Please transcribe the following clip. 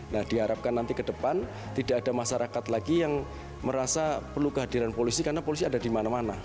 nah diharapkan nanti ke depan tidak ada masyarakat lagi yang merasa perlu kehadiran polisi karena polisi ada di mana mana